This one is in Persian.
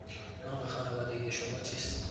نام خانوادگی شما چیست؟